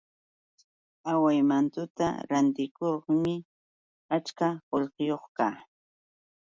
Awaymantuta rantikurmi achka qullqiyuq kaa.